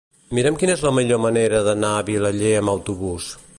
Mira'm quina és la millor manera d'anar a Vilaller amb autobús.